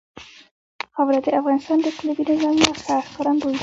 خاوره د افغانستان د اقلیمي نظام یوه ښه ښکارندوی ده.